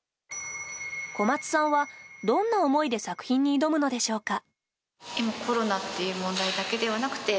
小松さんはどんな思いで作品に挑むのでしょうか。